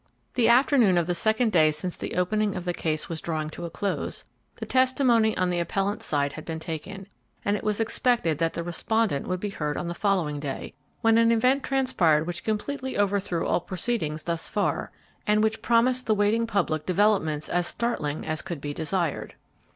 The afternoon of the second day since the opening of the case was drawing to a close; the testimony on the appellant's side had been taken, and it was expected that the respondent would be heard on the following day, when an event transpired which completely overthrew all proceedings had thus far, and which promised the waiting public developments as startling as could be desired.